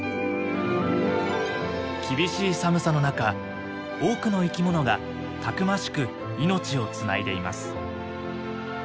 厳しい寒さの中多くの生き物がたくましく命をつないでいます。